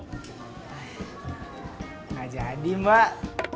enggak jadi mbak